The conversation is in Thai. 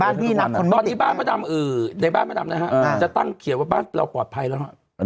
ในบ้านประดำนะฮะจะตั้งเขียนว่าบ้านเราปลอดภัยแล้ว